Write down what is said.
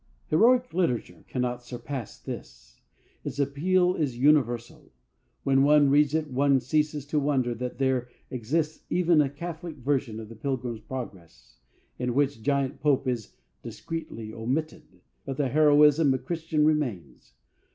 Heroic literature cannot surpass this. Its appeal is universal. When one reads it, one ceases to wonder that there exists even a Catholic version of The Pilgrim's Progress, in which Giant Pope is discreetly omitted, but the heroism of Christian remains.